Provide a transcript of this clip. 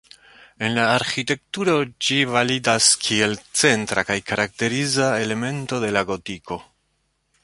En la arĥitekturo ĝi validas kiel centra kaj karakteriza elemento de la gotiko.